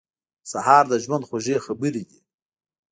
سهار د ژوند خوږې خبرې دي.